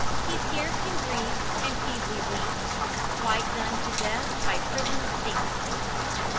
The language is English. He scarce can breathe, and feebly winks, Quite done to death by prison stinks."